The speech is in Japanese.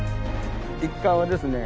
１階はですね